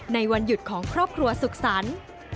ในวันหยุดของครอบครัวสุขสรรค์